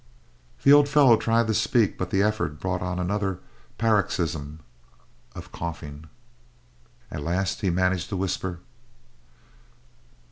The old fellow tried to speak, but the effort brought on another paroxysm of coughing. At last he managed to whisper.